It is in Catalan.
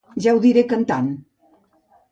Ja ho diré cantant.